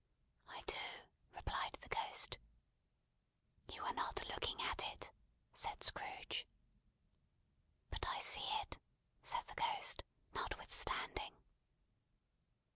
"I do," replied the Ghost. "You are not looking at it," said Scrooge. "But I see it," said the Ghost, "notwithstanding."